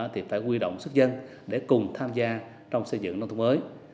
thì phải quy động sức dân để cùng tham gia trong xây dựng nông thôn mới